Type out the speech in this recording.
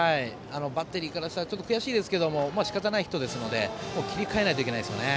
バッテリーからしたらちょっと悔しいですけど仕方ないヒットですので切り替えないといけませんね。